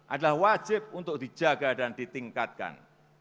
adalah wajib untuk dijaga dan ditingkatkan